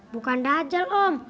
bukan dajal om